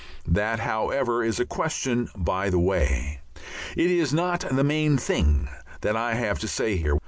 That, however, is a question by the way. It is not the main thing that I have to say here.